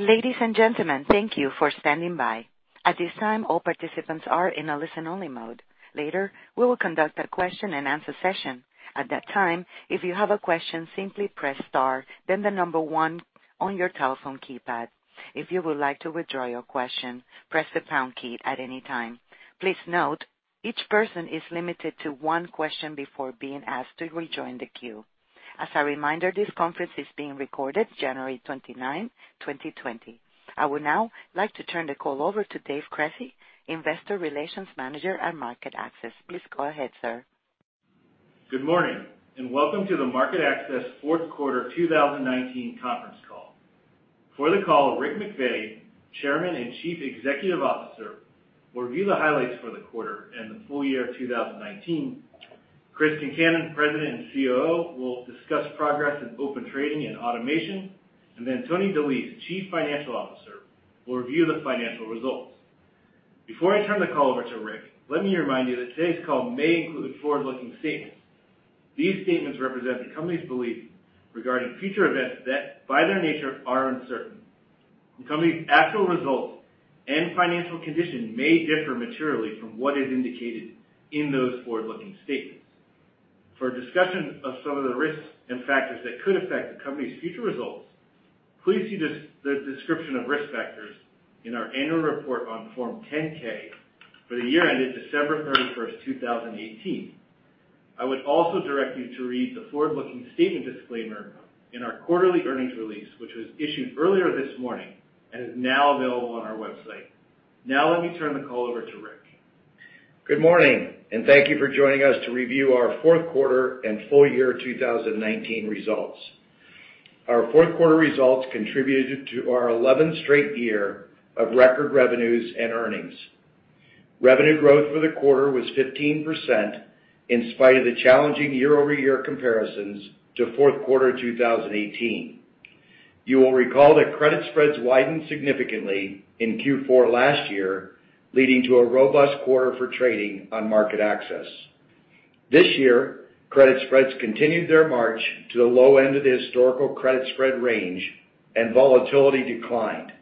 Ladies and gentlemen, thank you for standing by. At this time, all participants are in a listen-only mode. Later, we will conduct a question-and-answer session. At that time, if you have a question, simply press star. Then the number one, on your telephone keypad. If you would like to withdraw your question, press the pound key at any time. Please note, each person is limited to one question, before being asked to rejoin the queue. As a reminder, this conference is being recorded January 29, 2020. I would now like to turn the call over to Dave Cresci, Investor Relations Manager at MarketAxess. Please go ahead, sir. Good morning, and welcome to the MarketAxess Fourth Quarter 2019 Conference Call. For the call, Rick McVey, Chairman and Chief Executive Officer. Will review the highlights for the quarter, and the full year 2019. Chris Concannon, President and COO, will discuss progress in Open Trading, and automation. Then Tony DeLise, Chief Financial Officer, will review the financial results. Before I turn the call over to Rick, let me remind you, that today's call may include forward-looking statements. These statements represent the company's belief, regarding future events that. By their nature, are uncertain. The company's actual results, and financial condition. May differ materially, from what is indicated in those forward-looking statements. For a discussion of some of the risks, and factors that could affect the company's future results. Please see the description of risk factors, in our annual report on Form 10-K. For the year ended December 31, 2018. I would also direct you, to read the forward-looking statement disclaimer, in our quarterly earnings release. Which was issued earlier this morning, and is now available on our website. Now let me turn the call over to Rick. Good morning, and thank you for joining us. To review our fourth quarter, and full year 2019 results. Our fourth quarter results contributed, to our 11th straight year of record revenues, and earnings. Revenue growth for the quarter was 15%, in spite of the challenging year-over-year comparisons, to fourth quarter 2018. You will recall, that credit spreads widened significantly in Q4 last year. Leading to a robust quarter, for trading on MarketAxess. This year, credit spreads continued their march. To the low end of the historical credit spread range, and volatility declined.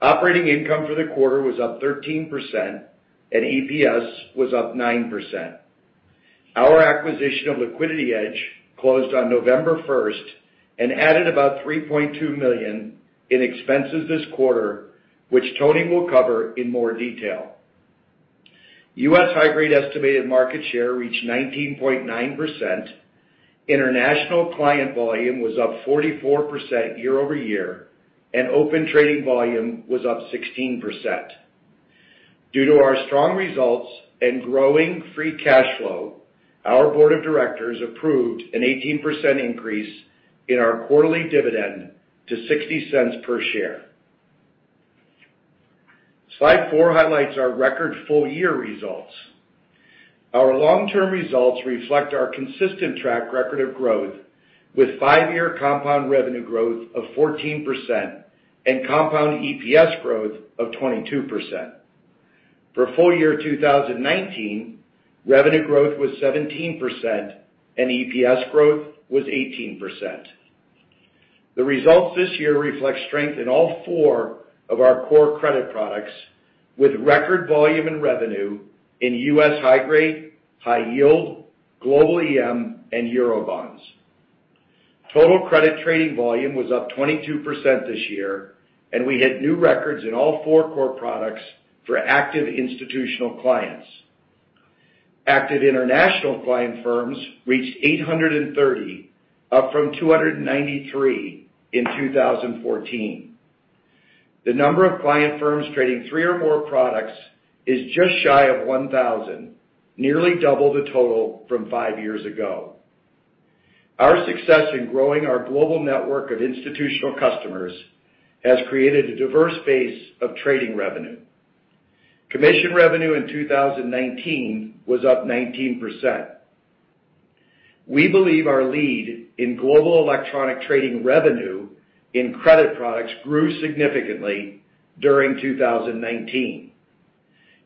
Operating income for the quarter was up 13%, and EPS was up 9%. Our acquisition of LiquidityEdge closed on November first, and added about $3.2 million. In expenses this quarter, which Tony will cover in more detail. U.S. high-grade estimated market share reached 19.9%. International client volume was up 44% year-over-year, and Open Trading volume was up 16%. Due to our strong results, and growing free cash flow. Our Board of Directors approved an 18% increase, in our quarterly dividend to $0.60 per share. Slide four highlights our record full-year results. Our long-term results, reflect our consistent track record of growth. With five-year compound revenue growth of 14%, and compound EPS growth of 22%. For full year 2019, revenue growth was 17%, and EPS growth was 18%. The results this year, reflect strength in all four of our core credit products. With record volume, and revenue in U.S. high-grade, high-yield, global EM, and Eurobonds. Total credit trading volume was up 22% this year. And we had new records in all four core products, for active institutional clients. Active international client firms reached 830, up from 293 in 2014. The number of client firms trading three or more products is just shy of 1,000. Nearly double the total, from five years ago. Our success in growing our global network of institutional customers. Has created a diverse base of trading revenue. Commission revenue in 2019, was up 19%. We believe our lead, in global electronic trading revenue. In credit products, grew significantly during 2019.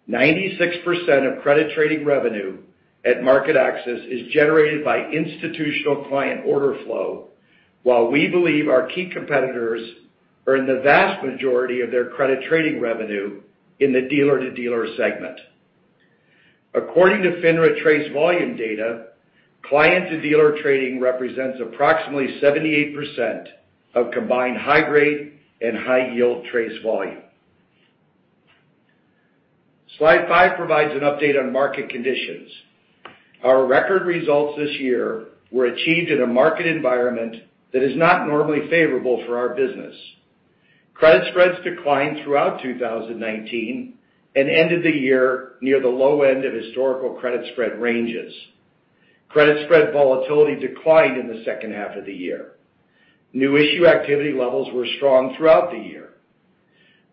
96% of credit trading revenue, at MarketAxess is generated by institutional client order flow. While we believe our key competitors, earn the vast majority of their credit trading revenue, in the dealer-to-dealer segment. According to FINRA trade volume data, client-to-dealer trading. Represents approximately 78% of combined high-grade, and high-yield TRACE volume. Slide five provides an update on market conditions. Our record results this year, were achieved in a market environment. That is not normally favorable for our business. Credit spreads declined throughout 2019. And ended the year, near the low end of historical credit spread ranges. Credit spread volatility, declined in the second half of the year. New issue activity levels, were strong throughout the year.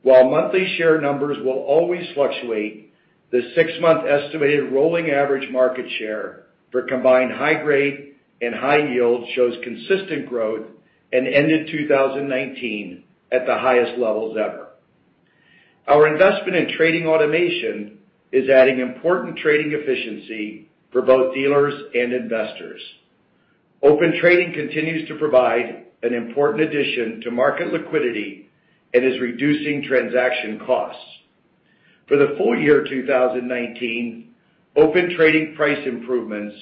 While monthly share numbers, will always fluctuate. The six-month estimated rolling average market share, for combined U.S. high-grade. And high-yield shows consistent growth, and ended 2019 at the highest levels ever. Our investment in trading automation, is adding important trading efficiency. For both dealers, and investors. Open Trading continues to provide an important addition. To market liquidity, and is reducing transaction costs. For the full year 2019, Open Trading price improvements.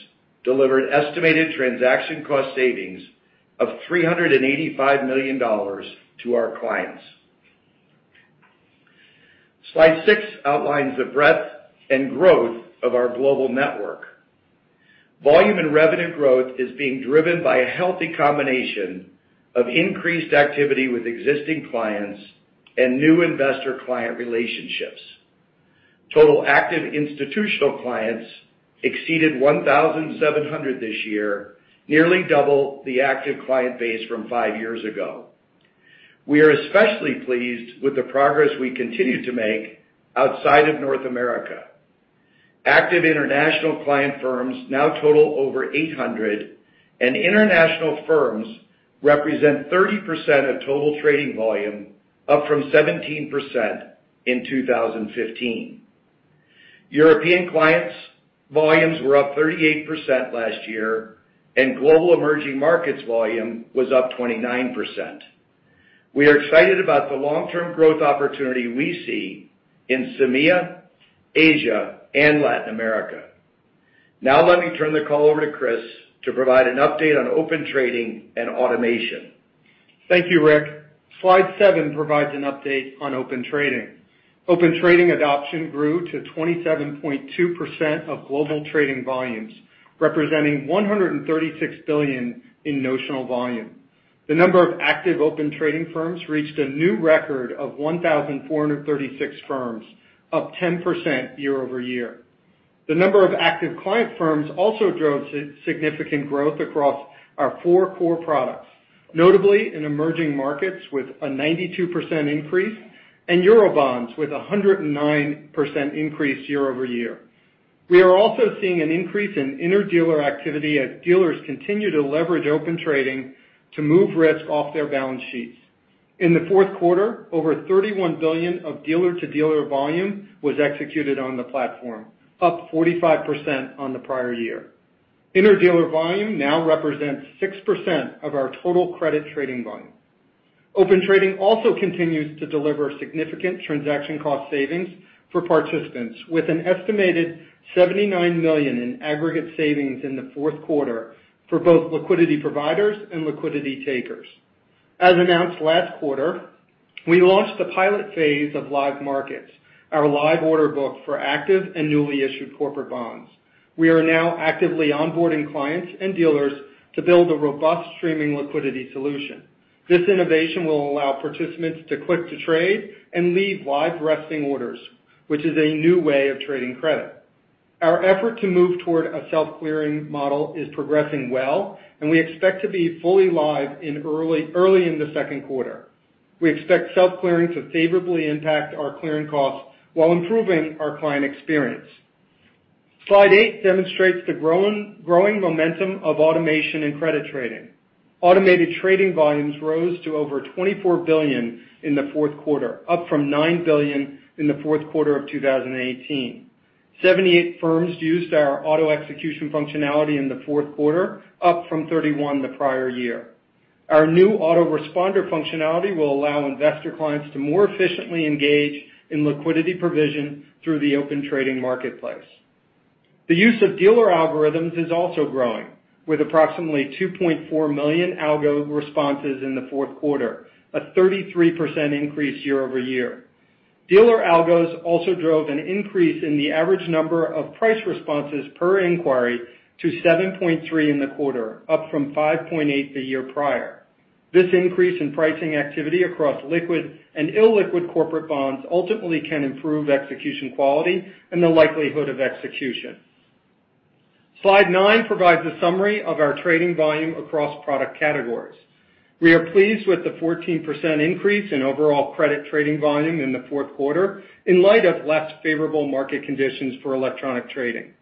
Delivered estimated transaction cost savings, of $385 million to our clients. Slide six outlines the breadth, and growth of our global network. Volume and revenue growth is being driven by a healthy combination. Of increased activity with existing clients, and new investor client relationships. Total active institutional clients exceeded 1,700 this year. Nearly double the active client base, from five years ago. We are especially pleased, with the progress we continue to make outside of North America. Active international client firms now total over 800. And international firms, represent 30% of total trading volume. Up from 17% in 2015. European clients' volumes were up 38% last year. And global Emerging Markets volume was up 29%. We are excited, about the long-term growth opportunity. We see in CEMEA, Asia, and Latin America. Now let me turn the call over to Chris, to provide an update on Open Trading, and automation. Thank you, Rick. Slide seven provides an update on Open Trading. Open Trading adoption grew, to 27.2% of global trading volumes. Representing $136 billion in notional volume. The number of active Open Trading firms, reached a new record of 1,436 firms, up 10% year-over-year. The number of active client firms, also drove significant growth. Across our four core products, notably in Emerging Markets. With a 92% increase, and Eurobonds with 109% increase year-over-year. We are also seeing an increase in inter-dealer activity, as dealers continue to leverage Open Trading. To move risk off their balance sheets. In the fourth quarter, over $31 billion of dealer-to-dealer volume. Was executed on the platform, up 45% on the prior year. Inter-dealer volume now represents 6%, of our total credit trading volume. Open Trading also continues, to deliver significant transaction cost savings for participants. With an estimated $79 million in aggregate savings, in the fourth quarter. For both liquidity providers, and liquidity takers. As announced last quarter, we launched the pilot phase of Live Markets. Our live order book for active, and newly issued corporate bonds. We are now actively onboarding clients, and dealers. To build a robust streaming liquidity solution. This innovation will allow participants to click to trade, and leave live resting orders. Which is a new way of trading credit. Our effort to move, toward a self-clearing model is progressing well. And we expect, to be fully live early in the second quarter. We expect self-clearing, to favorably impact our clearing costs. While improving our client experience. Slide eight demonstrates the growing momentum of automation, and credit trading. Automated trading volumes rose, to over $24 billion in the fourth quarter. Up from $9 billion, in the fourth quarter of 2018. 78 firms used our auto-execution functionality in the fourth quarter, up from 31 the prior year. Our new Auto-Responder functionality will allow investor clients, to more efficiently engage. In liquidity provision, through the Open Trading marketplace. The use of dealer algorithms is also growing. With approximately 2.4 million, algo responses in the fourth quarter, a 33% increase year-over-year. Dealer algos also drove an increase. In the average number of price responses per inquiry, to 7.3 in the quarter, up from 5.8 the year prior. This increase in pricing activity across liquid, and illiquid corporate bonds. Ultimately, can improve execution quality, and the likelihood of execution. Slide nine provides a summary, of our trading volume across product categories. We are pleased with the 14% increase, in overall credit trading volume in the fourth quarter. In light of less favorable market conditions for electronic trading.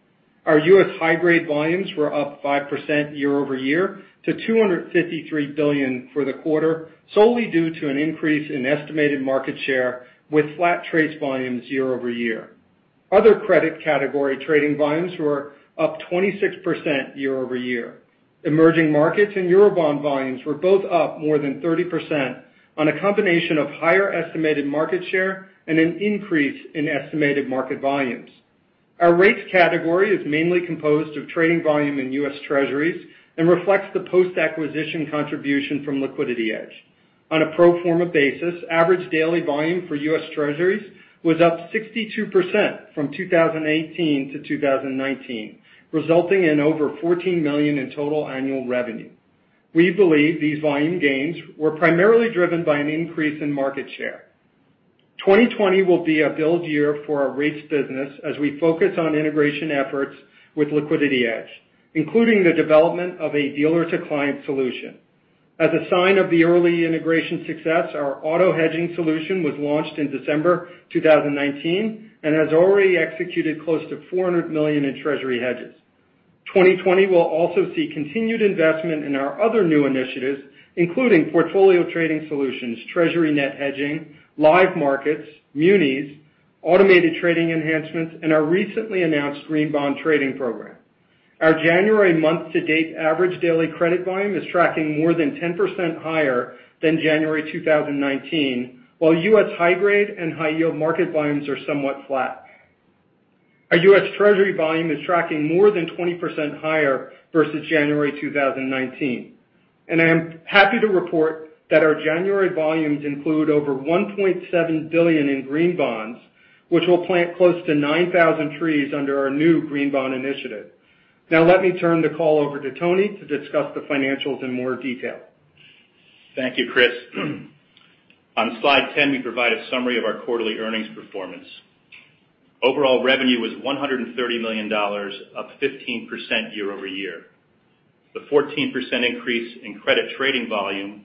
Our U.S. high-grade volumes were up 5% year-over-year, to $253 billion for the quarter. Solely due to an increase, in estimated market share. With flat trades volumes year-over-year. Other credit category trading volumes were up 26% year-over-year. Emerging Markets, and Eurobonds volumes were both up more than 30%. On a combination of higher estimated market share, and an increase in estimated market volumes. Our rates category is mainly composed of trading volume in U.S. Treasuries. And reflects the post-acquisition contribution from LiquidityEdge. On a pro forma basis, average daily volume for U.S. Treasuries, was up 62% from 2018-2019. Resulting in over $14 million in total annual revenue. We believe these volume gains, were primarily driven by an increase in market share. 2020 will be a build year, for our rates business. As we focus on integration efforts with LiquidityEdge. Including the development of a dealer-to-client solution. As a sign of the early integration success, our auto-hedging solution was launched in December 2019. And has already executed, close to $400 million in Treasury hedges. 2020 will also see continued investment, in our other new initiatives. Including portfolio trading solutions, treasury net hedging, Live Markets, munis, automated trading enhancements. And our recently announced green bond trading program. Our January month-to-date average daily credit volume, is tracking more than 10% higher, than January 2019. While U.S. high-grade, and high-yield market volumes are somewhat flat. Our U.S. Treasury volume, is tracking more than 20% higher versus January 2019. I am happy to report, that our January volumes include over $1.7 billion in green bonds. Which will plant close to 9,000 trees, under our new Green Bond Initiative. Now, let me turn the call over to Tony, to discuss the financials in more detail. Thank you, Chris. On slide 10, we provide a summary of our quarterly earnings performance. Overall revenue was $130 million, up 15% year-over-year. The 14% increase in credit trading volume,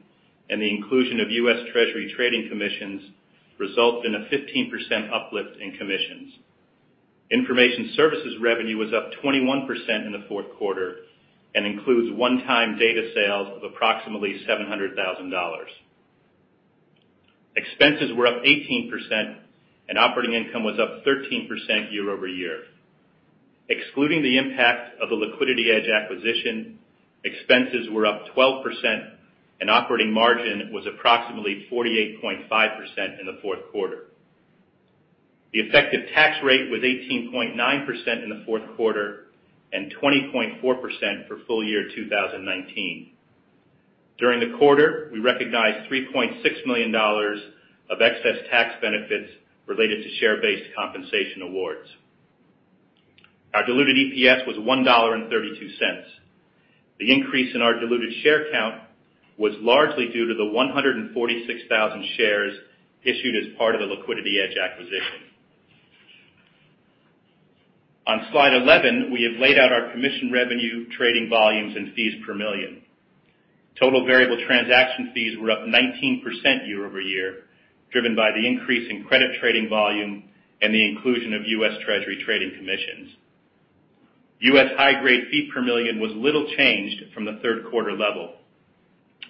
and the inclusion of U.S. Treasuries trading commissions. Result in a 15% uplift in commissions. Information services revenue was up 21% in the fourth quarter. And includes one-time data sales of approximately $700,000. Expenses were up 18%, and operating income was up 13% year-over-year. Excluding the impact of the LiquidityEdge acquisition, expenses were up 12%. And operating margin was approximately, 48.5% in the fourth quarter. The effective tax rate was 18.9% in the fourth quarter, and 20.4% for full year 2019. During the quarter, we recognized $3.6 million of excess tax benefits. Related to share-based compensation awards. Our diluted EPS was $1.32. The increase in our diluted share count, was largely due to the 146,000 shares. Issued as part of the LiquidityEdge acquisition. On slide 11, we have laid out our commission revenue, trading volumes, and fees per million. Total variable transaction fees were up 19% year-over-year. Driven by the increase in credit trading volume, and the inclusion of U.S. Treasuries trading commissions. U.S. high-grade fee per million, was little changed from the third quarter level.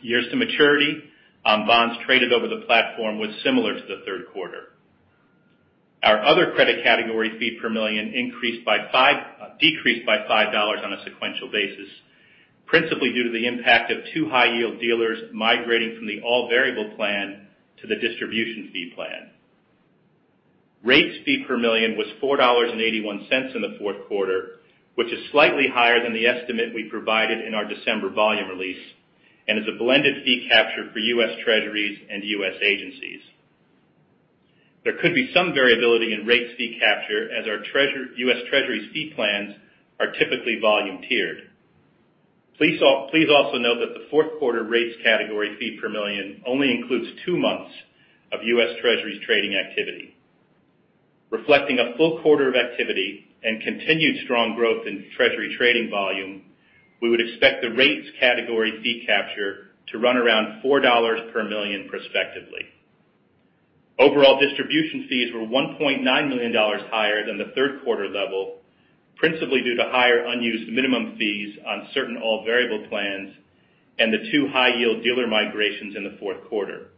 Years to maturity on bonds traded over the platform, was similar to the third quarter. Our other credit category fee per million, decreased by $5 on a sequential basis. Principally due to the impact, of two high-yield dealers migrating. From the all-variable plan, to the distribution fee plan. Rates fee per million, was $4.81 in the fourth quarter. Which is slightly higher, than the estimate we provided, in our December volume release. And is a blended fee capture for U.S. Treasuries, and U.S. agencies. There could be some variability in rates fee capture. As our U.S. Treasuries fee plans, are typically volume tiered. Please also note that, the fourth quarter rates category fee per million. Only includes two months, of U.S. Treasuries trading activity. Reflecting a full quarter of activity, and continued strong growth in Treasury trading volume. We would expect the rates category fee capture, to run around $4 per million prospectively. Overall distribution fees were $1.9 million higher, than the third quarter level. Principally, due to higher unused minimum fees. On certain all-variable plans, and the two high-yield dealer migrations in the fourth quarter.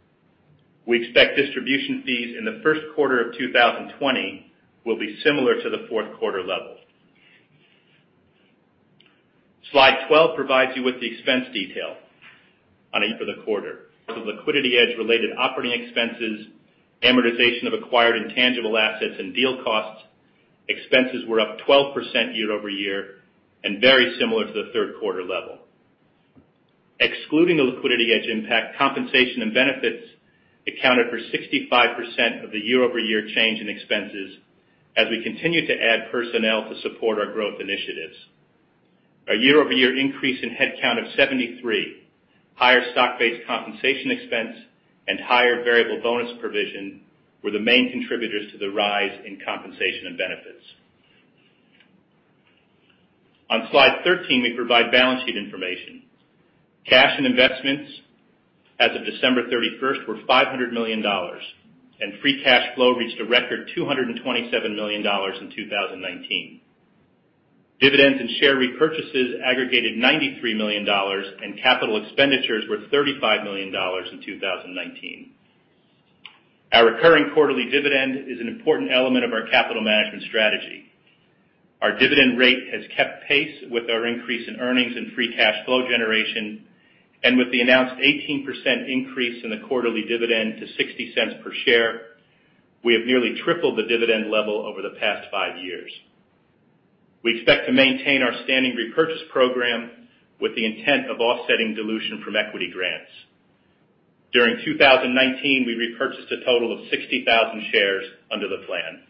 We expect distribution fees, in the first quarter of 2020. Will be similar, to the fourth quarter level. Slide 12 provides you, with the expense detail for the quarter. The LiquidityEdge-related operating expenses, amortization of acquired intangible assets, and deal costs. Expenses were up 12% year-over-year, and very similar to the third quarter level. Excluding the LiquidityEdge impact, compensation and benefits. Accounted for 65% of the year-over-year change in expenses. As we continue to add personnel, to support our growth initiatives. A year-over-year increase in headcount of 73. Higher stock-based compensation expense, and higher variable bonus provision. Were the main contributors, to the rise in compensation, and benefits. On slide 13, we provide balance sheet information. Cash, and investments as of December 31st were $500 million. And free cash flow reached a record $227 million in 2019. Dividends and share repurchases aggregated $93 million. And capital expenditures were $35 million in 2019. Our recurring quarterly dividend is an important element, of our capital management strategy. Our dividend rate has kept pace. With our increase in earnings, and free cash flow generation. With the announced 18% increase, in the quarterly dividend to $0.60 per share. We have nearly, tripled the dividend level over the past five years. We expect to maintain our standing repurchase program. With the intent of offsetting dilution, from equity grants. During 2019, we repurchased a total of 60,000 shares under the plan.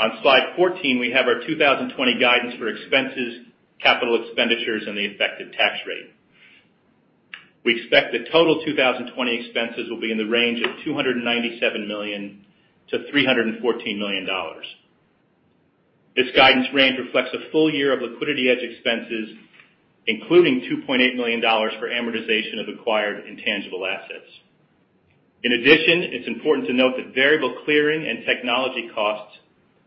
On slide 14, we have our 2020 guidance for expenses. Capital expenditures, and the effective tax rate. We expect that total 2020 expenses, will be in the range of $297 million-$314 million. This guidance range, reflects a full year of LiquidityEdge expenses. Including $2.8 million, for amortization of acquired intangible assets. In addition, it's important to note that variable clearing, and technology costs.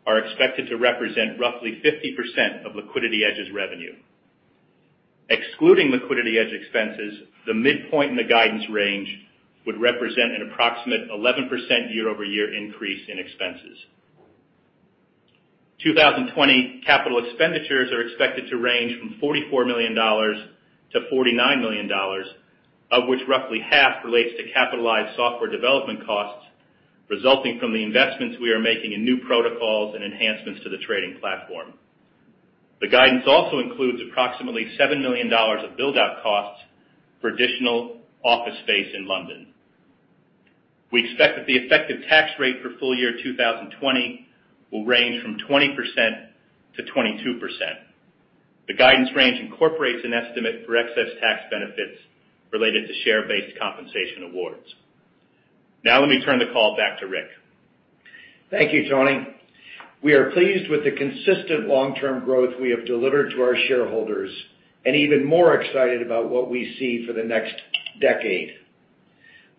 Are expected to represent, roughly 50% of LiquidityEdge's revenue. Excluding LiquidityEdge expenses, the midpoint in the guidance range. Would represent an approximate, 11% year-over-year increase in expenses. 2020 capital expenditures are expected, to range from $44 million-$49 million. Of which roughly half relates, to capitalized software development costs. Resulting from the investments we are making in new protocols, and enhancements to the trading platform. The guidance also includes approximately, $7 million of build-out costs, for additional office space in London. We expect that the effective tax rate for full year 2020, will range from 20%-22%. The guidance range incorporates an estimate. For excess tax benefits, related to share-based compensation awards. Now, let me turn the call back to Rick. Thank you, Tony. We are pleased, with the consistent long-term growth. We have delivered to our shareholders, and even more excited about. What we see for the next decade.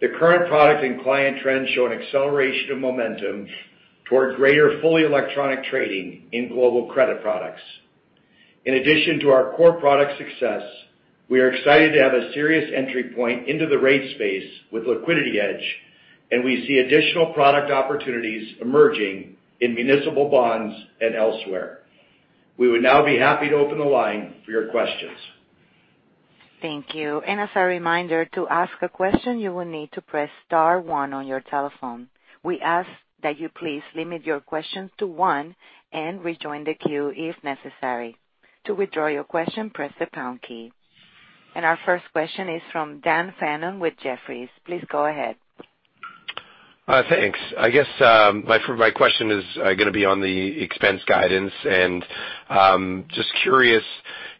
The current product, and client trends show an acceleration of momentum. Toward greater fully electronic trading in global credit products. In addition to our core product success. We are excited to have a serious entry point, into the rate space with LiquidityEdge. And we see additional product opportunities. Emerging in municipal bonds, and elsewhere. We would now be happy, to open the line for your questions. Thank you. As a reminder, to ask a question. You will need, to press star one on your telephone. We ask that you please limit your questions to one, and rejoin the queue if necessary. To withdraw your question, press the pound key. Our first question is from, Dan Fannon with Jefferies. Please go ahead. Thanks. I guess, my question is going to be on the expense guidance. Just curious,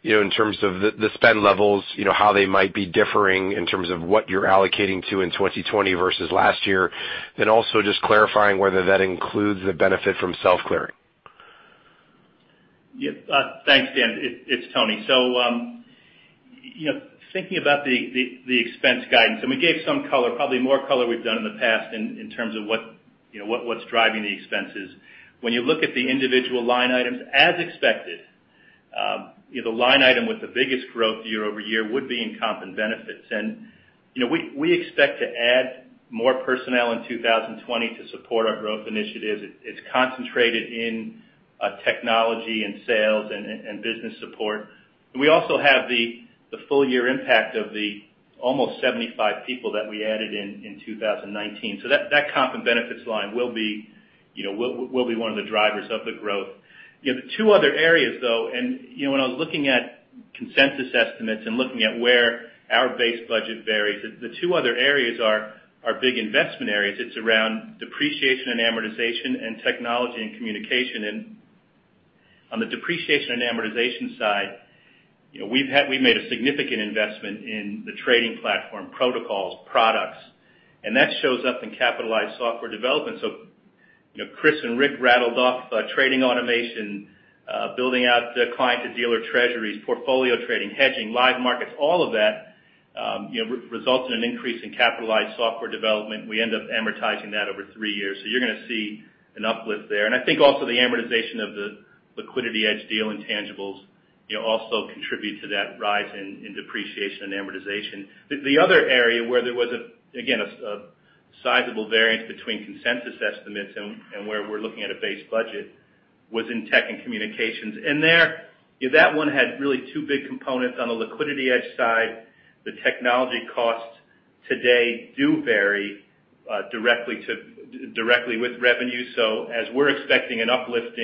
in terms of the spend levels. How they might be differing? In terms of, what you're allocating to in 2020 versus last year? And also, just clarifying whether that includes, the benefit from self-clearing? Thanks, Dan. It's Tony. Thinking about the expense guidance, and we gave some color. Probably, more color we've done in the past. In terms of, what's driving the expenses? When you look at the individual line items, as expected. The line item, with the biggest growth year-over-year. Would be in comp, and benefits. We expect to add more personnel in 2020, to support our growth initiatives. It's concentrated in technology, and sales, and business support. We also have the full year impact, of the almost 75 people that we added in 2019. That comp, and benefits line will be, one of the drivers of the growth. If two other areas, so. You know, when I was looking at consensus estimates. And looking at, where our base budget varies. The two other areas are, our big investment areas. It's around depreciation, and amortization, and technology, and communication. On the depreciation, and amortization side. We've made a significant investment, in the trading platform protocols, products. And that shows up, in capitalized software development. Chris and Rick rattled off trading automation. Building out the client to dealer Treasuries, portfolio trading, hedging, Live Markets. All of that, results in an increase in capitalized software development. We end up amortizing that over three years. You're going to see an uplift there. I think also, the amortization of the LiquidityEdge deal intangibles. Also contribute to that rise in depreciation, and amortization. The other area where there was, again, a sizable variance. Between consensus estimates, and where we're looking at a base budget. Was in tech, and communications. There, that one had really two big components. On the LiquidityEdge side, the technology costs today, do vary directly with revenue. As we're expecting an uplift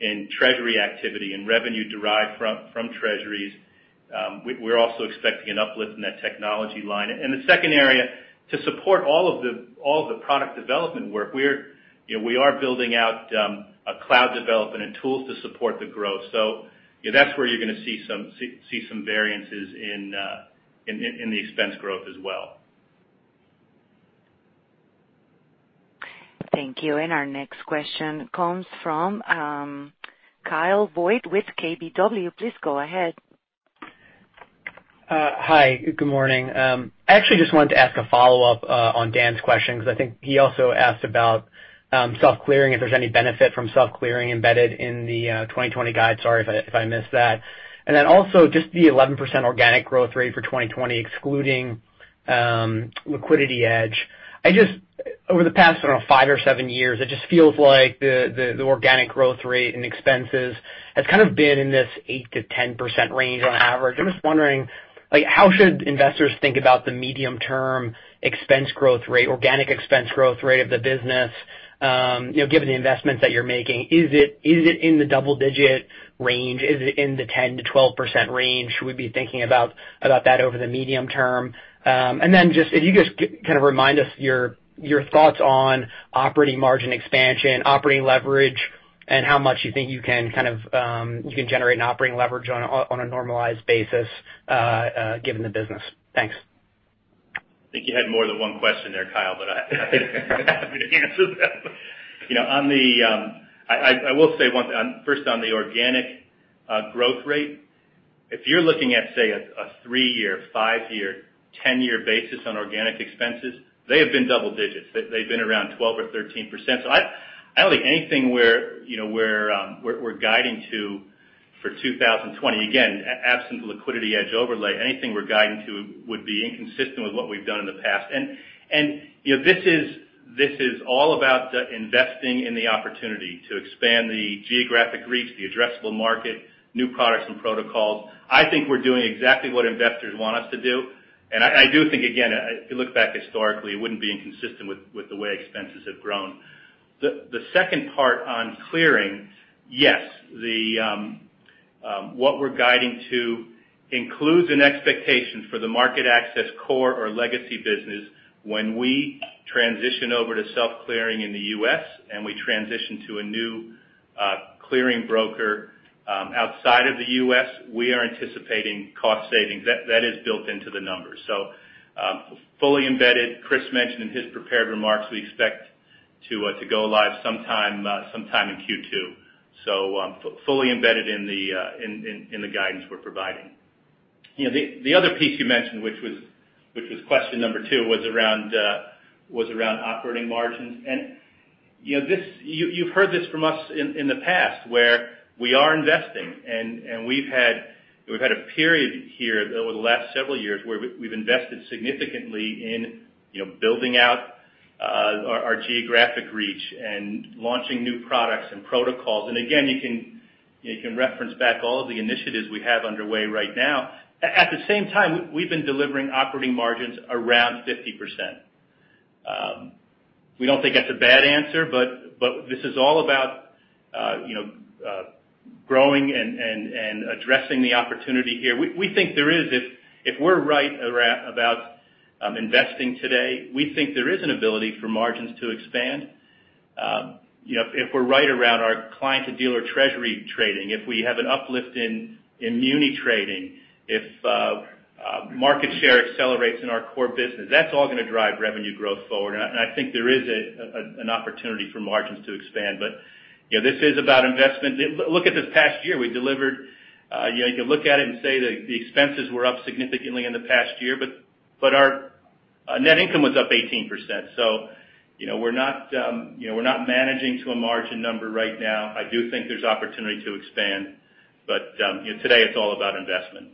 in treasury activity, and revenue derived from Treasuries. We're also expecting an uplift, in that technology line. The second area, to support all of the product development work. We are building out a cloud development, and tools to support the growth. That's where you're going to see, some variances in the expense growth as well. Thank you. Our next question comes, from Kyle Voigt with KBW. Please go ahead. Hi, good morning. I actually, just wanted to ask a follow-up on Dan's question. Because I think, he also asked about self-clearing. If there's any benefit from self-clearing, embedded in the 2020 guide? Sorry if I missed that. Also, just the 11% organic growth rate for 2020, excluding LiquidityEdge. Over the past, I don't know, five or seven years. It just feels like the organic growth rate, and expenses. Has kind of been in this 8%-10% range on average. I'm just wondering, how should investors think, about the medium-term expense growth rate? Organic expense growth rate of the business, given the investments that you're making? Is it in the double-digit range? Is it in the 10%-12% range? Should we be thinking about, that over the medium term? If you just kind of remind us, your thoughts on operating margin expansion, operating leverage? And how much you think, you can generate in operating leverage, on a normalized basis given the business? Thanks. I think, you had more than one question there, Kyle. But I'm happy to answer them. I will say one thing. First, on the organic growth rate. If you're looking at, say, a three-year, five-year, 10-year basis on organic expenses. They have been double digits. They've been around 12% or 13%. I don't think anything, where we're guiding to for 2020. Again, absent LiquidityEdge overlay, anything we're guiding to would be inconsistent. With what we've done in the past. This is all about investing in the opportunity, to expand the geographic reach. The addressable market, new products, and protocols. I think we're doing exactly, what investors want us to do? And I do think, again, if you look back historically. It wouldn't be inconsistent, with the way expenses have grown. The second part on clearing, yes. What we're guiding, to includes an expectation. For the MarketAxess core or legacy business. When we transition over to self-clearing in the U.S., and we transition to a new clearing broker. Outside of the U.S., we are anticipating cost savings. That is built into the numbers. Fully embedded. Chris mentioned in his prepared remarks, we expect to go live sometime in Q2. Fully embedded in the guidance we're providing. The other piece you mentioned, which was question number two, was around operating margins. You've heard this, from us in the past. Where we are investing, and we've had a period here, over the last several years. Where we've invested significantly, in building out our geographic reach. And launching new products, and protocols. Again, you can reference back all of the initiatives, we have underway right now. At the same time, we've been delivering operating margins around 50%. We don't think, that's a bad answer. But this is all about growing, and addressing the opportunity here. If we're right about investing today. We think there is an ability, for margins to expand. If we're right around our client, to dealer Treasury trading. If we have an uplift in muni trading, if market share accelerates in our core business. That's all going to drive revenue growth forward. I think there is an opportunity, for margins to expand. This is about investment. Look at this past year, we delivered. You can look at it, and say that the expenses were up significantly in the past year. But our net income was up 18%. We're not managing, to a margin number right now. I do think, there's opportunity to expand. But today it's all about investment.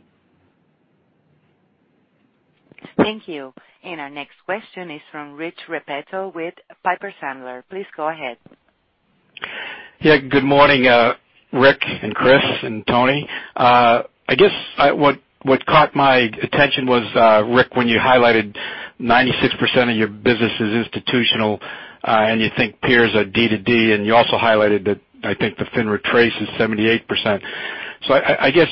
Thank you. Our next question is from, Rich Repetto with Piper Sandler. Please go ahead. Good morning, Rick and Chris, and Tony. I guess, what caught my attention was? Rick, when you highlighted 96% of your business is institutional? And you think peers are D2D, and you also highlighted that. I think, the FINRA TRACE is 78%. I guess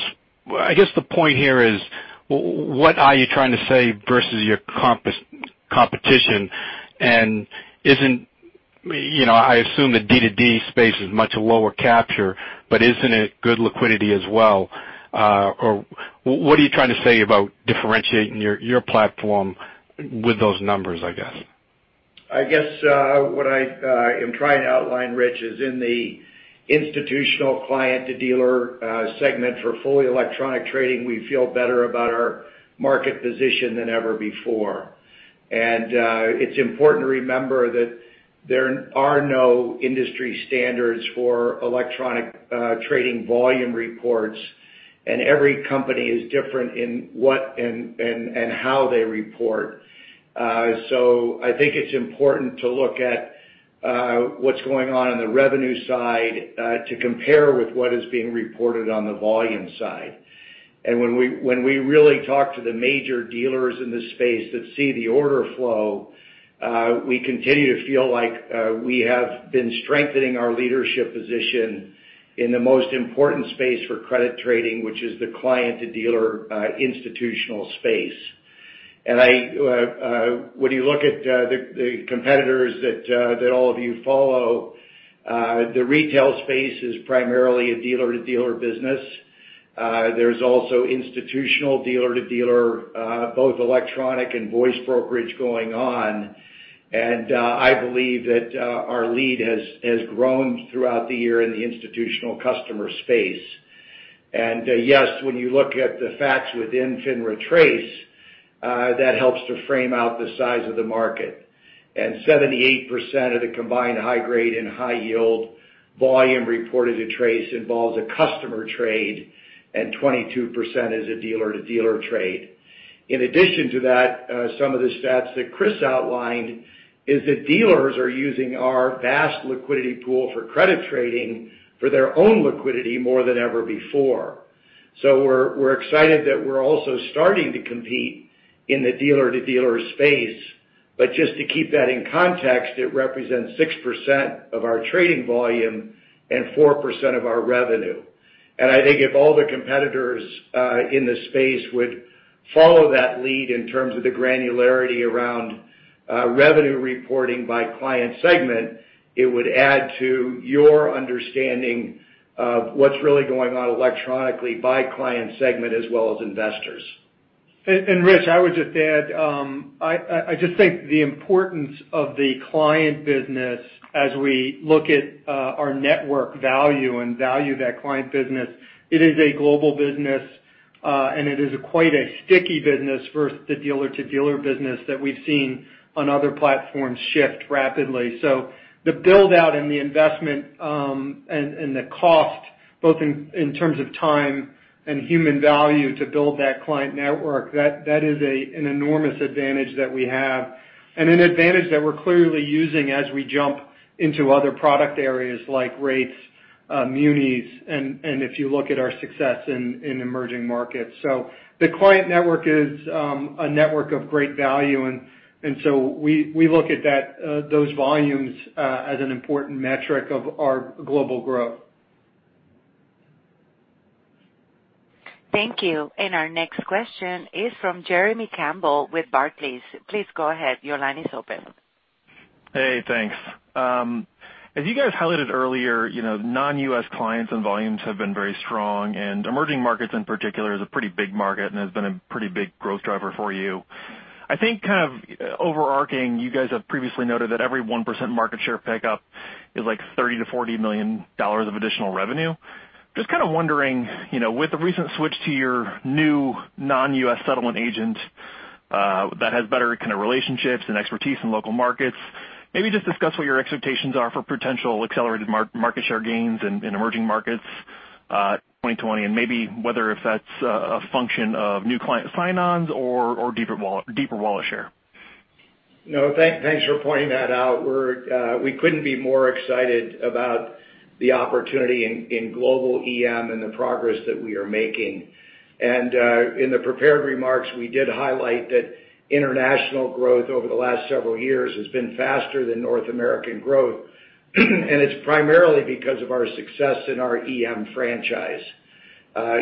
the point here is, what are you trying to say versus your competition? And I assume the D2D space is much lower capture, but isn't it good liquidity as well? Or what are you trying to say about, differentiating your platform with those numbers, I guess? I guess, what I am trying to outline, Rich. Is in the institutional client to dealer segment, for fully electronic trading. We feel better about, our market position than ever before. It's important to remember that, there are no industry standards, for electronic trading volume reports. And every company is different in what, and how they report? I think it's important to look at, what's going on in the revenue side. To compare with, what is being reported on the volume side. When we really talk to the major dealers, in this space that see the order flow. We continue to feel like, we have been strengthening our leadership position. In the most important space for credit trading. Which is the client, to dealer institutional space. When you look at the competitors, that all of you follow. The retail space is primarily a dealer-to-dealer business. There's also institutional dealer-to-dealer, both electronic, and voice brokerage going on. I believe that our lead has grown throughout the year, in the institutional customer space. Yes, when you look at the facts within FINRA TRACE. That helps to frame out the size of the market. 78% of the combined high-grade, and high-yield volume reported. To TRACE involves a customer trade, and 22% is a dealer-to-dealer trade. In addition to that, some of the stats that Chris outlined. Is that dealers are using our vast liquidity pool, for credit trading. For their own liquidity, more than ever before. We're excited, that we're also starting to compete, in the dealer-to-dealer space. Just to keep that in context, it represents 6% of our trading volume, and 4% of our revenue. I think, if all the competitors in this space. Would follow that lead, in terms of the granularity around. Revenue reporting by client segment, it would add to your understanding. Of what's really going on electronically, by client segment as well as investors. Rich, I would just add. I just think, the importance of the client business. As we look at our network value, and value that client business. It is a global business, and it is quite a sticky business versus the dealer-to-dealer business. That we've seen, on other platforms shift rapidly. The build-out, and the investment, and the cost. Both in terms of time, and human value to build that client network. That is an enormous advantage that we have. And an advantage that we're clearly using, as we jump into other product areas. Like rates, munis, and if you look at our success in Emerging Markets. The client network is a network of great value. We look at those volumes, as an important metric of our global growth. Thank you. Our next question is from, Jeremy Campbell with Barclays. Please go ahead. Your line is open. Hey, thanks. As you guys highlighted earlier, non-U.S. clients, and volumes have been very strong. And Emerging Markets in particular is a pretty big market. And has been a pretty big growth driver for you. I think, kind of overarching. You guys have previously noted, that every 1% market share pickup. Is like $30 million-$40 million of additional revenue. Just kind of wondering, with the recent switch to your new non-U.S. settlement agent. That has better kind of relationships, and expertise in local markets. Maybe just discuss, what your expectations are for potential accelerated market share gains, in Emerging Markets? 2020, and maybe whether if, that's a function of new client sign-ons, or deeper wallet share. Thanks for pointing that out. We couldn't be more excited, about the opportunity in global EM. And the progress, that we are making. In the prepared remarks, we did highlight that international growth. Over the last several years, has been faster than North American growth. And it's primarily, because of our success in our EM franchise.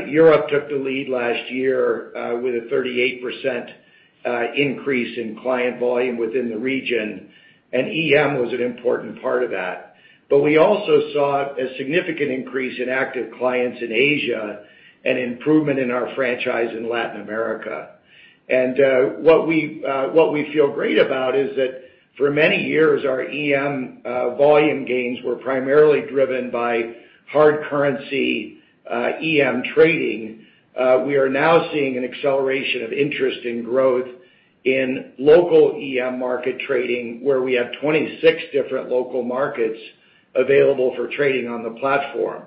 Europe took the lead last year, with a 38% increase, in client volume within the region. EM was an important part of that. We also saw, a significant increase in active clients in Asia. An improvement in our franchise in Latin America. What we feel great, about is that for many years. Our EM volume gains were primarily, driven by hard currency EM trading. We are now seeing, an acceleration of interest in growth, in local EM market trading. Where we have 26 different local markets, available for trading on the platform.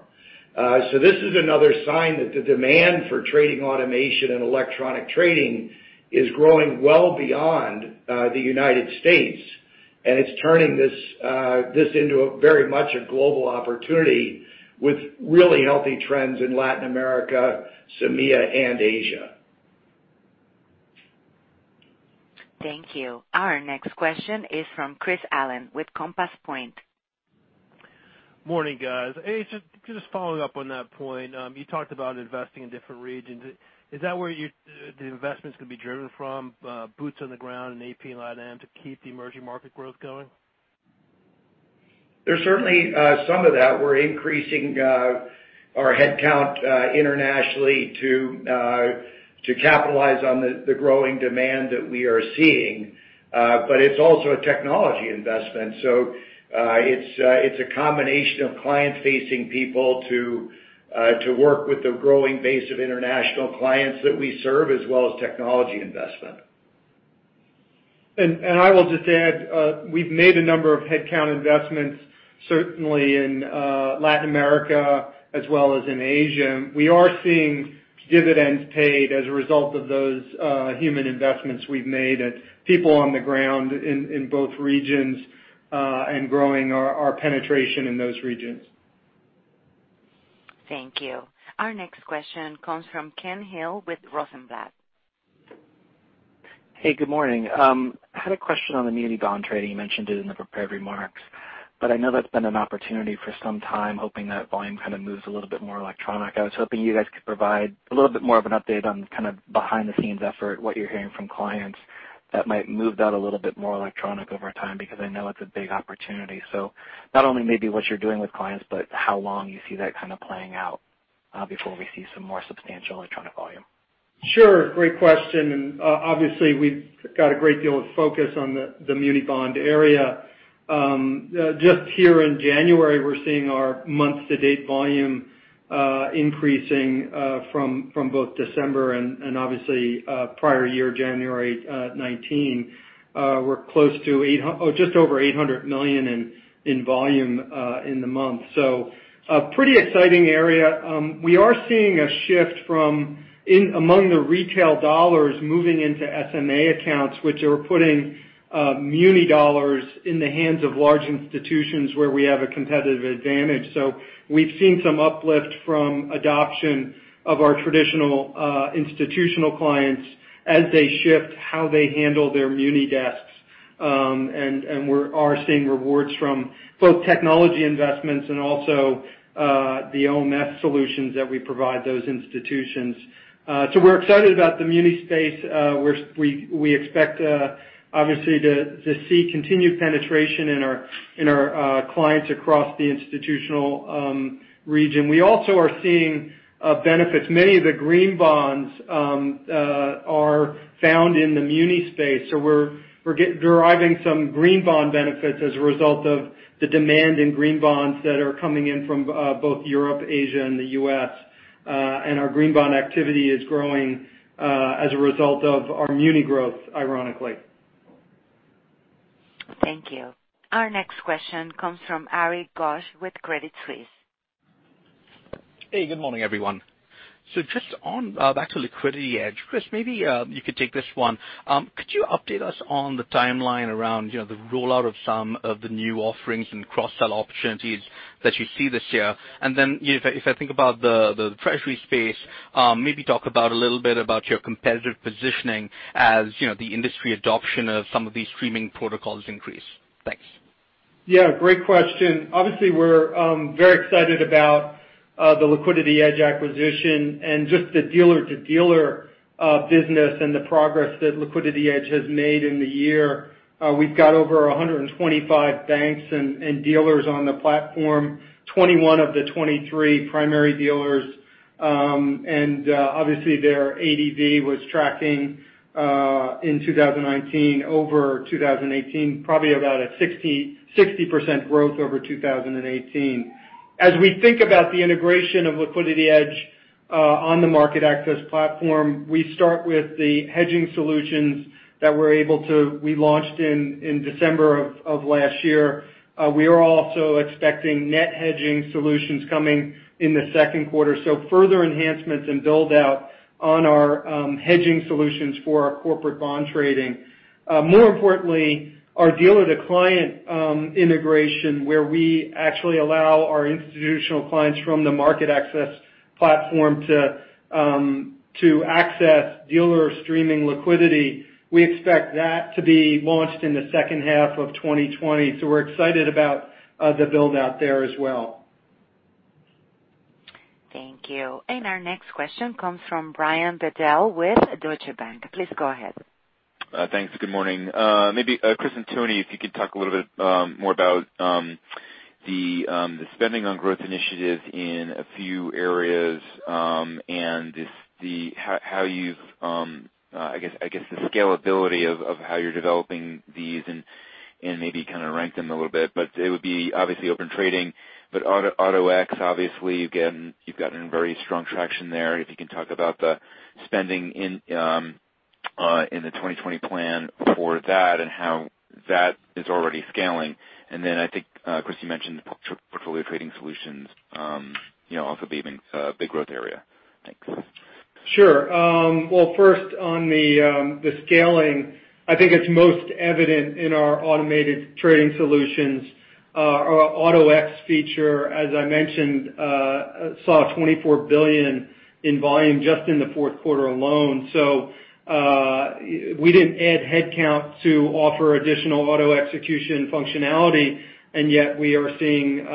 So, this is another sign of the demand, for trading automation in electronic trading, is growing well beyond the United States. It's turning this into very much a global opportunity. With really healthy trends, in Latin America, CEMEA, and Asia. Thank you. Our next question is from, Chris Allen with Compass Point. Morning, guys. Just following up on that point. You talked about, investing in different regions. Is that where the investments can be driven from? Boots on the ground in APAC, and LatAm. To keep the Emerging Markets growth going? There's certainly some of that. We're increasing our headcount internationally. To capitalize on the growing demand, that we are seeing. It's also a technology investment. It's a combination of client-facing people, to work with the growing base of international clients. That we serve, as well as technology investment. I will just add, we've made a number of headcount investments. Certainly, in Latin America as well as in Asia. We are seeing dividends paid, as a result of those human investments, we've made at people on the ground. In both regions, and growing our penetration in those regions. Thank you. Our next question comes from, Ken Hill with Rosenblatt. Hey, good morning. I had a question on the muni bond trading. You mentioned it, in the prepared remarks. But I know that's been an opportunity for some time. Hoping that volume kind of, moves a little bit more electronic. I was hoping you guys, could provide a little bit more of an update. On kind of behind-the-scenes effort, what you're hearing from clients? That might move that a little bit more electronic over time. Because I know, it's a big opportunity. Not only maybe, what you're doing with clients? But how long you see, that kind of playing out? Before we see, some more substantial electronic volume. Sure, great question. Obviously, we've got a great deal of focus on the muni bond area. Just here in January, we're seeing our month-to-date volume. Increasing from both December, and obviously, prior year, January 2019. We're close to, or just over $800 million in volume in the month. A pretty exciting area. We are seeing a shift from, among the retail dollars moving into SMA accounts. Which are putting muni dollars, in the hands of large institutions. Where we have a competitive advantage. We've seen some uplift, from adoption of our traditional institutional clients. As they shift, how they handle their muni desks. We are seeing rewards from, both technology investments. And also, the OMS solutions that we provide those institutions. We're excited, about the muni space. We expect, obviously, to see continued penetration. In our clients, across the institutional region. We also are seeing benefits. Many of the green bonds, are found in the muni space. So, we're deriving some green bond benefits, as a result of the demand in green bonds. That are coming in from both Europe, Asia, and the U.S. Our green bond activity is growing, as a result of our muni growth, ironically. Thank you. Our next question comes from, Ari Ghosh with Credit Suisse. Hey, good morning, everyone. Just on back to LiquidityEdge, Chris, maybe you could take this one. Could you update us on the timeline? Around the rollout of some of the new offerings, and cross-sell opportunities, that you see this year? If I think, about the Treasury space. Maybe talk about a little bit, about your competitive positioning? As the industry adoption of, some of these streaming protocols increase. Thanks. Yeah, great question. Obviously, we're very excited about the LiquidityEdge acquisition. And just the dealer-to-dealer business, and the progress that LiquidityEdge has made in the year. We've got over 125 banks, and dealers on the platform, 21 of the 23 primary dealers. Obviously, their ADV was tracking in 2019 over 2018. Probably, about a 60% growth over 2018. We think about the integration of LiquidityEdge, on the MarketAxess platform. We start with the hedging solutions. That we launched, in December of last year. We are also expecting net hedging solutions, coming in the second quarter. So further enhancements, and build-out on our hedging solutions. For our corporate bond trading. More importantly, our dealer-to-client integration. Where we actually, allow our institutional clients. From the MarketAxess platform, to access dealer streaming liquidity. We expect that, to be launched in the second half of 2020. We're excited, about the build-out there as well. Thank you. Our next question comes from, Brian Bedell with Deutsche Bank. Please go ahead. Thanks, good morning. Chris and Tony, if you could talk a little bit more about. The spending on growth initiatives in a few areas. And I guess the scalability of, how you're developing these? And maybe kind of rank them a little bit. It would be obviously Open Trading, but Auto-Ex. Obviously, you've gotten very strong traction there. If you can talk about, the spending in the 2020 plan? For that, and how that is already scaling? I think, Chris, you mentioned the portfolio trading solutions, also being a big growth area. Thanks. Sure. Well, first on the scaling. I think, it's most evident in our automated trading solutions. Our Auto-Ex feature, as I mentioned. Saw $24 billion in volume, just in the fourth quarter alone. We didn't add headcount, to offer additional Auto-Execution functionality. And yet we are seeing,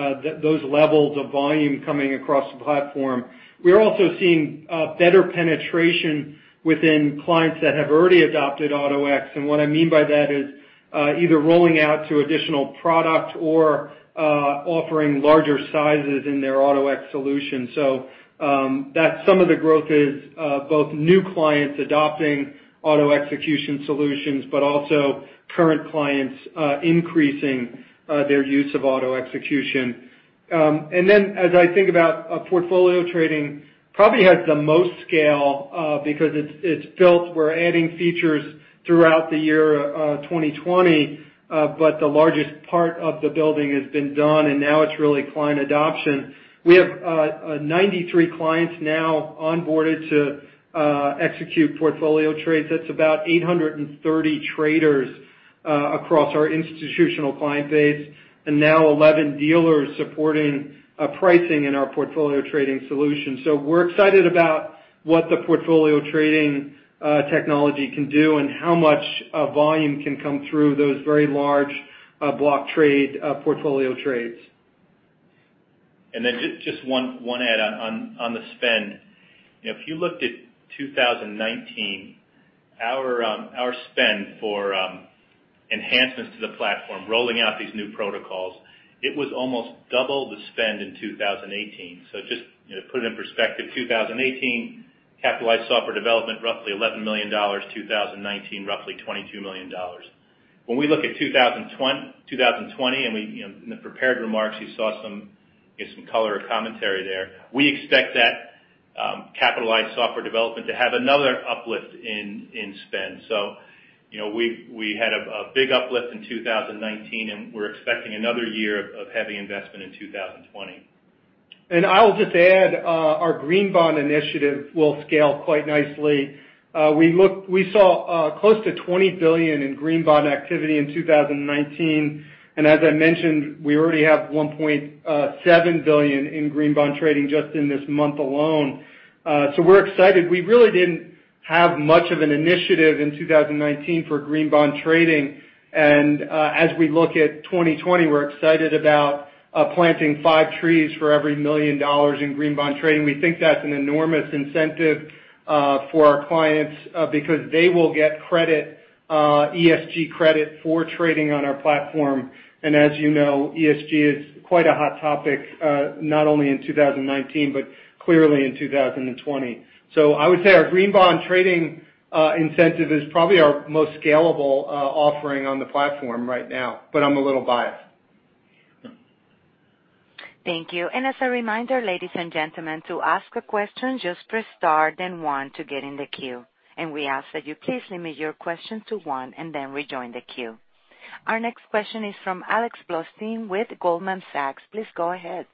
those levels of volume coming across the platform. We're also seeing better penetration, within clients that have already adopted Auto-Ex. And what I mean, by that is either rolling out to additional product. Or offering larger sizes, in their Auto-Ex solution. Some of the growth is, both new clients adopting auto-execution solutions. But also, current clients increasing, their use of auto-execution. As I think, about portfolio trading. Probably, has the most scale, because it's built. We're adding features, throughout the year 2020. The largest part of the building, has been done. Now it's really client adoption. We have 93 clients now onboarded, to execute portfolio trades. That's about 830 traders, across our institutional client base. Now 11 dealers supporting, pricing in our portfolio trading solution. We're excited about, what the portfolio trading technology can do? And how much volume can come through, those very large block trade portfolio trades. Then just one add, on the spend. If you looked at 2019, our spend for enhancements to the platform. Rolling out these new protocols, it was almost double the spend in 2018. Just to put it in perspective, 2018. Capitalized software development, roughly $11 million, 2019, roughly $22 million. When we look at 2020, and in the prepared remarks. You saw some color or commentary there. We expect that, capitalized software development, to have another uplift in spend. We had a big uplift in 2019, and we're expecting another year of heavy investment in 2020. I'll just add, our Green Bond Initiative will scale quite nicely. We saw close to $20 billion, in green bond activity in 2019. As I mentioned, we already have $1.7 billion in green bond trading, just in this month alone. We're excited. We really didn't have much of an initiative in 2019, for green bond trading. As we look at 2020, we're excited about planting five trees. For every $1 million in green bond trading. We think that's an enormous incentive, for our clients. Because they will get credit, ESG credit. For trading on our platform. As you know, ESG is quite a hot topic. Not only in 2019, but clearly in 2020. I would say our green bond trading incentive is probably, our most scalable offering on the platform right now. But I'm a little biased. Thank you. As a reminder, ladies and gentlemen, to ask a question. Just press star then one, to get in the queue. We ask that you please limit your question to one, and then rejoin the queue. Our next question is from, Alex Blostein with Goldman Sachs. Please go ahead.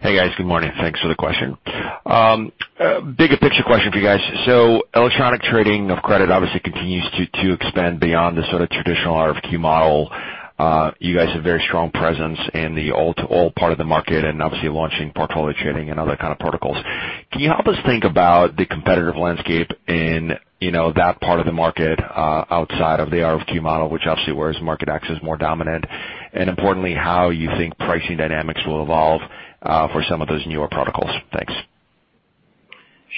Hey, guys. Good morning, thanks for the question. Bigger picture question for you guys. Electronic trading of credit obviously, continues to expand. Beyond the sort of, traditional RFQ model. You guys have, very strong presence in the Open Trading market. And obviously, launching portfolio trading, and other kind of protocols. Can you help us think about, the competitive landscape? In that part of the market, outside of the RFQ model. Which obviously, where is MarketAxess more dominant? Importantly, how you think pricing dynamics, will evolve for some of those newer protocols? Thanks.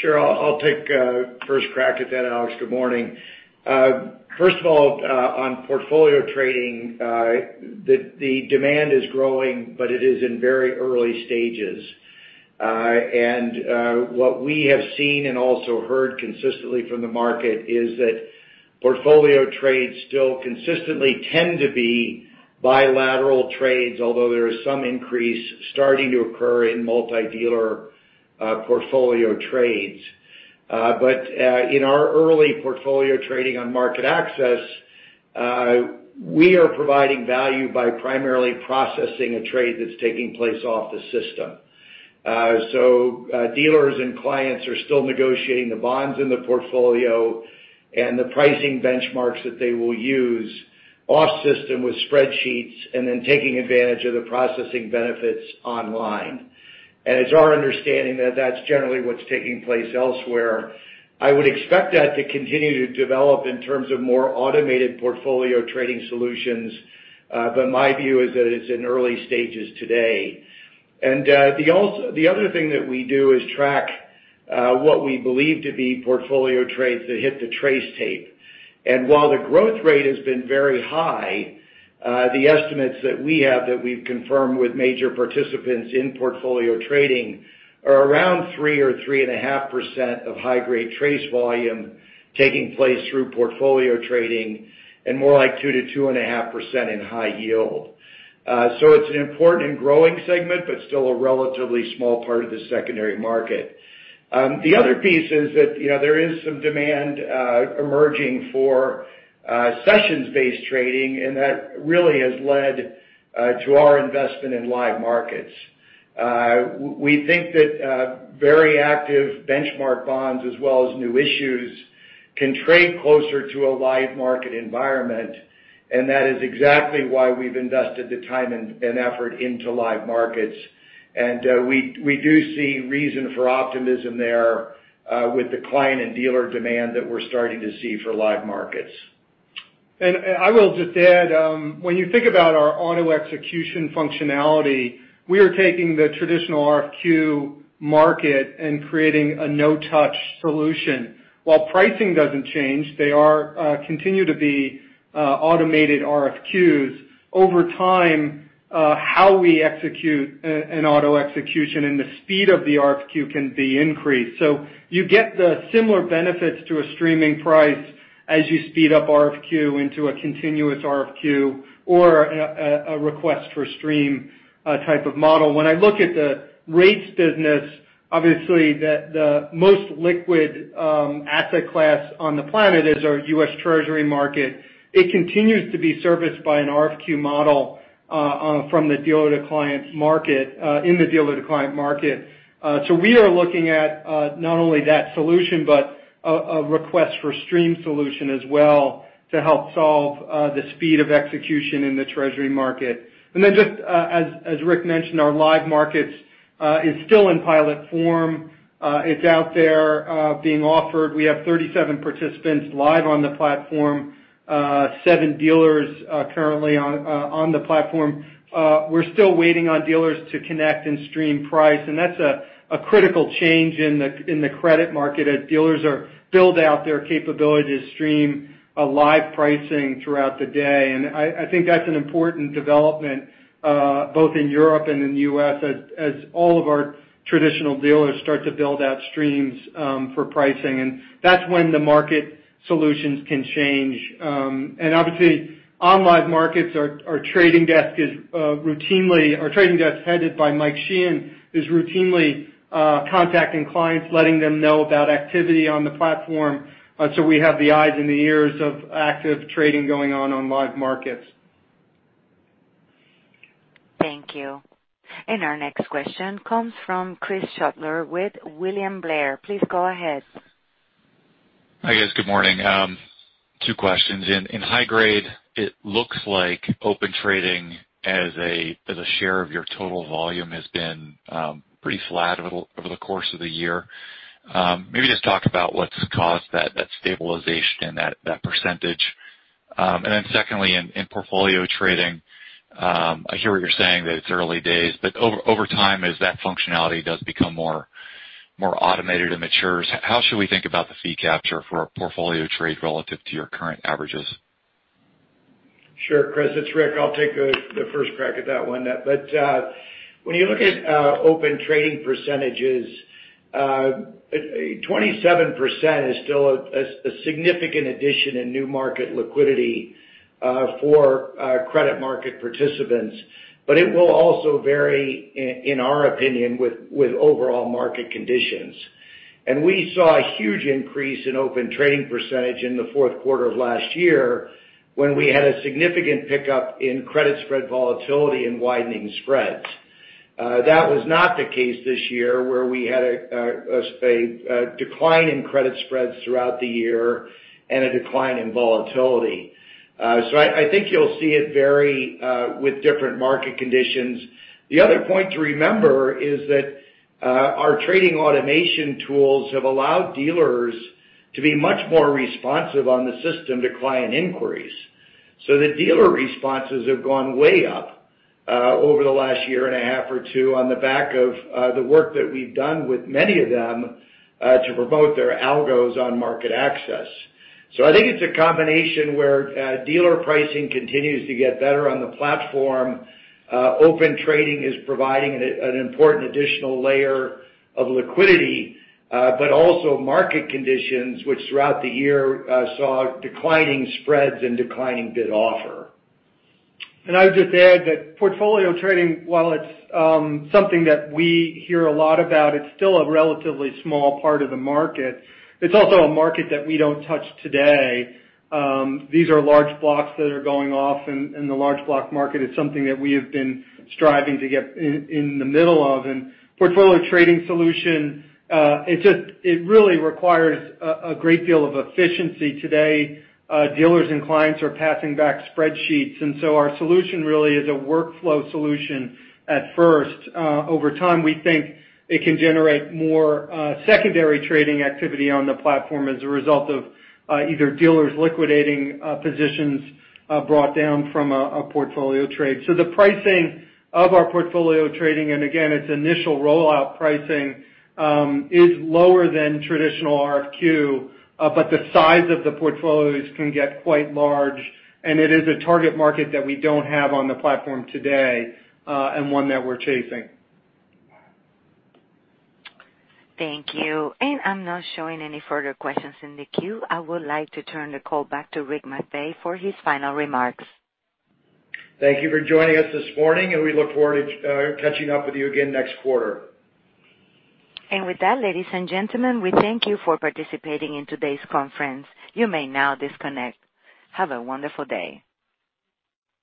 Sure. I'll take first crack at that, Alex. Good morning. First of all, on portfolio trading, the demand is growing. But it is in very early stages. What we have seen, and also heard consistently from the market is. That portfolio trades still consistently, tend to be bilateral trades. Although there is some increase, starting to occur in multi-dealer portfolio trades. In our early portfolio trading on MarketAxess. We are providing value, by primarily processing a trade. That's taking place off the system. Dealers, and clients are still negotiating the bonds in the portfolio. And the pricing benchmarks, that they will use. Off system with spreadsheets, and then taking advantage of the processing benefits online. It's our understanding, that that's generally what's taking place elsewhere. I would expect that to continue. To develop in terms of, more automated portfolio trading solutions. My view is that, it's in early stages today. The other thing that we do is track. What we believe to be portfolio trades, that hit the TRACE tape. While the growth rate, has been very high. The estimates that we have, that we've confirmed. With major participants, in portfolio trading. Are around 3% or 3.5%, of U.S. high-grade TRACE volume. Taking place through portfolio trading, and more like 2%-2.5% in high-yield. It's an important, and growing segment. But still a relatively, small part of the secondary market. The other piece is that, there is some demand emerging for sessions-based trading. And that really has led, to our investment in Live Markets. We think, that very active benchmark bonds as well as new issues. Can trade closer, to a Live Markets environment. That is exactly, why we've invested the time, and effort into Live Markets. We do see reason for optimism there. With the client, and dealer demand. That we're starting to see for Live Markets. I will just add, when you think about, our Auto-Execution functionality. We are taking the traditional RFQ market, and creating a no-touch solution. While pricing doesn't change, they continue to be automated RFQs. Over time, how we execute an auto-execution. And the speed, of the RFQ can be increased. You get the similar benefits, to a streaming price. As you speed up RFQ, into a continuous RFQ. Or a request for stream, type of model. When I look at the rates business. Obviously, the most liquid asset class on the planet, is our U.S. Treasury market. It continues to be serviced, by an RFQ model. From the dealer-to-client market, in the dealer-to-client market. We are looking at not only that solution, but a request for stream solution as well. To help solve the speed of execution, in the treasury market. Just as Rick mentioned, our Live Markets is still in pilot form. It's out there being offered. We have 37 participants, live on the platform. Seven dealers currently on the platform. We're still waiting on dealers, to connect and stream price. And that's a critical change, in the credit market. As dealers build out their capability, to stream live pricing throughout the day. I think that's an important development both in Europe, and in the U.S. As all of our traditional dealers start, to build out streams for pricing. And that's when the market solutions can change. Obviously on Live Markets, our trading desk headed by Mike Sheehan. Is routinely contacting clients, letting them know about activity on the platform. We have the eyes, and the ears of active trading going on Live Markets. Thank you. Our next question comes from, Chris Shutler with William Blair. Please go ahead. Hi, guys, good morning. Two questions, in high-grade, it looks like Open Trading. As a share of your total volume, has been pretty flat, over the course of the year. Maybe just talk about, what's caused that stabilization, that percentage? Then secondly, in portfolio trading. I hear what you're saying? That it's early days, but over time. As that functionality does, become more automated, and matures? How should we think about, the fee capture for a portfolio trade, relative to your current averages? Sure, Chris, it's Rick. I'll take the first crack at that one. When you look at Open Trading percentages, 27% is still a significant addition. In new market liquidity, for credit market participants. It will also vary, in our opinion. With overall market conditions. We saw a huge increase in Open Trading percentage, in the fourth quarter of last year. When we had a significant pickup, in credit spread volatility, and widening spreads. That was not the case this year. Where we had, a decline in credit spreads. Throughout the year, and a decline in volatility. I think you'll see it vary, with different market conditions. The other point to remember, is that our trading automation tools. Have allowed dealers, to be much more responsive. On the system, to client inquiries. The dealer responses, have gone way up. Over the last year, and a 1/2 or two on the back of. The work that we've done, with many of them. To promote their algos on MarketAxess. I think it's a combination, where dealer pricing continues, to get better on the platform. Open Trading is providing an important additional layer of liquidity. But also, market conditions, which throughout the year. Saw declining spreads, and declining bid offer. I would just add, that portfolio trading. While it's something, that we hear a lot about. It's still a relatively, small part of the market. It's also a market, that we don't touch today. These are large blocks, that are going off. And the large block market is something, that we have been striving. To get in the middle of. Portfolio trading solution, it really requires a great deal of efficiency today. Dealers, and clients are passing back spreadsheets. Our solution really is a workflow solution at first. Over time, we think it can generate, more secondary trading activity on the platform. As a result of either dealers liquidating positions, brought down from a portfolio trade. The pricing of our portfolio trading. And again, its initial rollout pricing, is lower than traditional RFQ. But the size of the portfolios, can get quite large. And it is a target market, that we don't have on the platform today. And one that we're chasing. Thank you. I'm not showing, any further questions in the queue. I would like to turn the call back, to Rick McVey for his final remarks. Thank you for joining us this morning, and we look forward. To catching up, with you again next quarter. With that, ladies and gentlemen. We thank you, for participating in today's conference. You may now disconnect. Have a wonderful day.